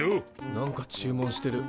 なんか注文してる。